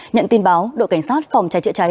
nhận tin báo đội cảnh sát phòng cháy chữa cháy